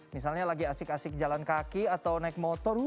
misalnya lagi asik asik jalan kaki atau naik motor